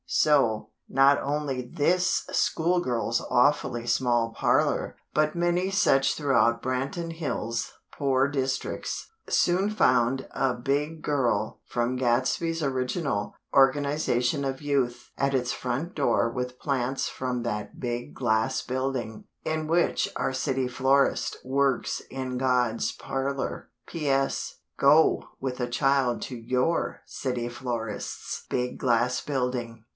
So, not only this schoolgirl's awfully small parlor, but many such throughout Branton Hills' poor districts, soon found a "big girl" from Gadsby's original Organization of Youth at its front door with plants from that big glass building, in which our City Florist works in God's parlor. (P.S. Go with a child to your City Florist's big glass building.